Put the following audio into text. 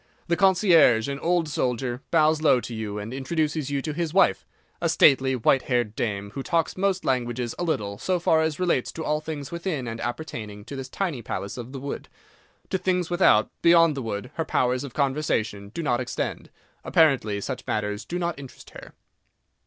The concierge, an old soldier, bows low to you and introduces you to his wife—a stately, white haired dame, who talks most languages a little, so far as relates to all things within and appertaining to this tiny palace of the wood. To things without, beyond the wood, her powers of conversation do not extend: apparently such matters do not interest her.